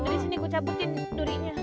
udah disini gue cabutin durinya